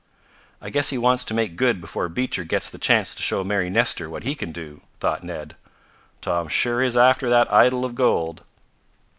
"I guess he wants to make good before Beecher gets the chance to show Mary Nestor what he can do," thought Ned. "Tom sure is after that idol of gold."